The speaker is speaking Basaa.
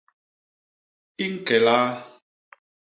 I ñke laa?